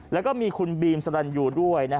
แล้วก็มีคุณบีมสรรยูด้วย